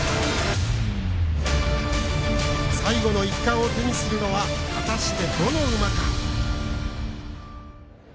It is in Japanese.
最後の一冠を手にするのは果たして、どの馬か？